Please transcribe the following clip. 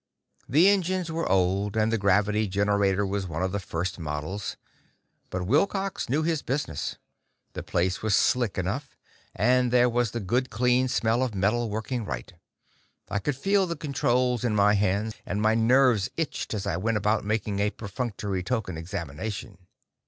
The engines were old, and the gravity generator was one of the first models. But Wilcox knew his business. The place was slick enough, and there was the good clean smell of metal working right. I could feel the controls in my hands, and my nerves itched as I went about making a perfunctory token examination.